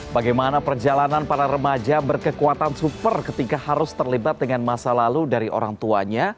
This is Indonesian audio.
bagaimana perjalanan para remaja berkekuatan super ketika harus terlibat dengan masa lalu dari orang tuanya